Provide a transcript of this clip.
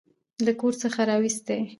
له کور څخه راوستې.